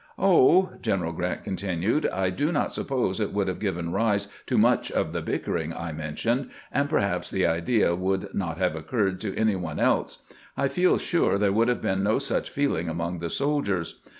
" Oh," Gen eral Grant continued, " I do not suppose it would have given rise to much of the bickering I mentioned, and perhaps the idea would not have occurred to any one else. I feel sure there would have been no such feeling among the soldiers.